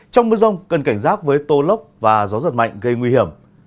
trong mưa rông cần cảnh giác với tô lốc và gió giật mạnh gây nguy hiểm